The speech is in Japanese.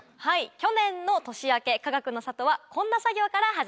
去年の年明けかがくの里はこんな作業から始まりました。